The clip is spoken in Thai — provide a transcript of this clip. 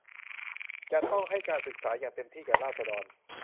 จะต้องให้การศึกษาอย่างเต็มที่แก่ราษฎร